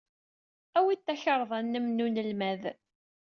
Awey-d takarḍa-nnem n unelmad!